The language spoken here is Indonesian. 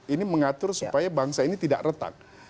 ini mengatur supaya bangsa ini tidak retak